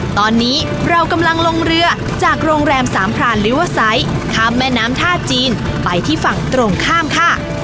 ตอนนี้เรากำลังลงเรือจากโรงแรมสามพรานลิเวอร์ไซต์ข้ามแม่น้ำท่าจีนไปที่ฝั่งตรงข้ามค่ะ